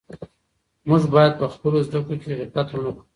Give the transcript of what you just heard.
موږ باید په خپلو زده کړو کې غفلت ونه کړو.